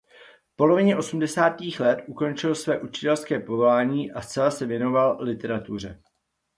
V polovině osmdesátých let ukončil své učitelské povolání a zcela se věnoval literatuře.